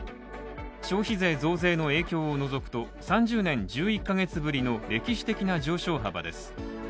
消費税増税の影響を除くと３０年１１か月ぶりの歴史的な上昇幅です。